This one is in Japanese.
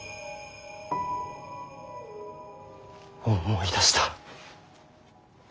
思い出した。